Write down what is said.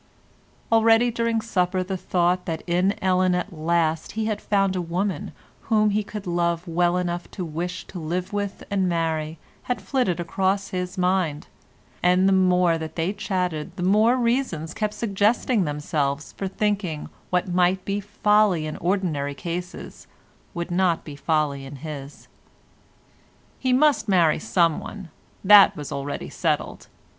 Already during supper the thought that in Ellen at last he had found a woman whom he could love well enough to wish to live with and marry had flitted across his mind, and the more they had chatted the more reasons kept suggesting themselves for thinking that what might be folly in ordinary cases would not be folly in his. He must marry someone; that was already settled.